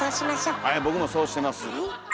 はい僕もそうしてます。